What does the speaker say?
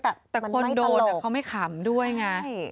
แต่คนโดนเขาไม่ขำด้วยไง